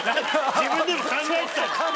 自分でも考えてたんだ。